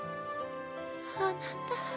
あなた。